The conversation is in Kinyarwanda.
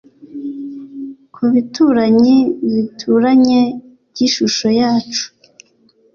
ku bituranyi bituranye by'ishusho yacu